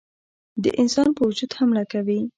د انسان په وجود حمله کوي.